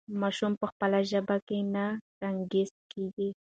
ماشوم په خپله ژبه نه ګنګس کېږي.